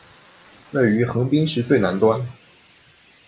位于横滨市最南端。